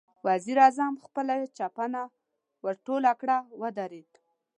وزير اعظم خپله چپنه ورټوله کړه، ودرېد.